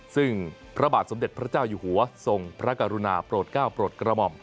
ซึ่งพระบาทสมเด็จพระเจ้าอยู่หัวทรงพระกรุณาโปรดก้าวโปรดกระหม่อม